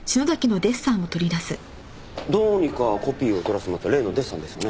どうにかコピーを取らせてもらった例のデッサンですよね？